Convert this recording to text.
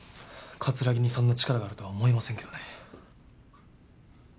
葛城にそんな力があるとは思えませんけどね。